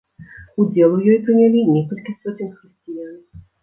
Удзел у ёй прынялі некалькі соцень хрысціян.